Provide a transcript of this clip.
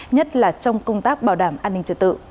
nhất là trong công tác bảo đảm an ninh trật tự